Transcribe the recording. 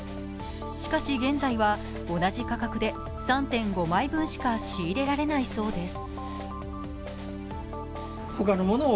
しかし現在は同じ価格で３．５枚分しか仕入れられないそうです。